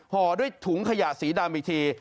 ห่อด้วยถุงขยะสีดำอีกที